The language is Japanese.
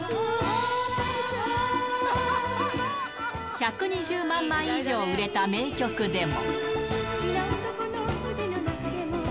１２０万枚以上売れた名曲でも。